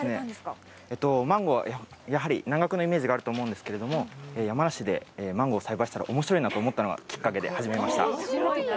マンゴーは、やはり南国のイメージがあると思うんですけれども、山梨でマンゴーを栽培したら、おもしろいなと思ったのがきっかけで、始めました。